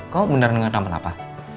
kau beneran denger tampan apa